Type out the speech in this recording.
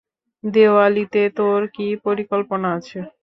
দিওয়ালিতে তোর কী পরিকল্পনা আছে?